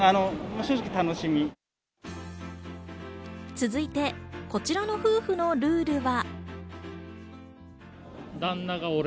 続いてこちらの夫婦のルールは。